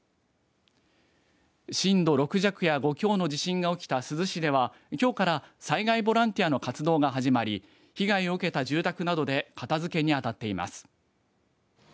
震度６弱や５強の地震が起きた珠洲市ではきょうから災害ボランティアの活動が始まり被害を受けた住宅などで片付けにあたっています。